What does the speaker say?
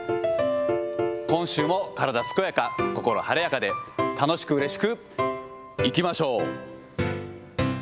今週も体健やか心晴れやかで、楽しくうれしくいきましょう。